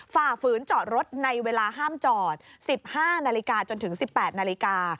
ฝ่าฝืนจอดรถในเวลาห้ามจอด๑๕นาฬิกาจนถึง๑๘นาฬิกา